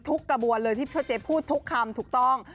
กระบวนเลยที่พ่อเจ๊พูดทุกคำถูกต้อง